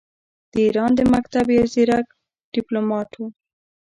د ایران د مکتب یو ځیرک ډیپلوماټ وو.